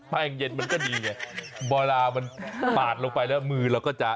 แป้งเย็นมันก็ดีไงเวลามันปาดลงไปแล้วมือเราก็จะ